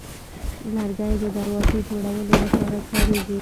لرګی د دروازې جوړولو لپاره کارېږي.